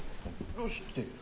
どうして？